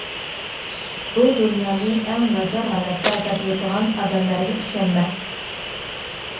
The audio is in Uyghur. بۇ دۇنيانى ئەڭ ناچار ھالەتتە دەپ يۈرىدىغان ئادەملەرگە ئىشەنمە.